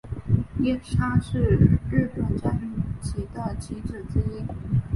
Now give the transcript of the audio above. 夜叉是日本将棋的棋子之一。